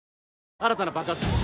新たな爆発です！